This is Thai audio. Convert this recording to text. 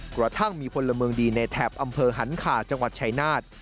กระทั่งมีพลเมืองดีในแถบอำเภอหันขาจังหวัดชายนาฏ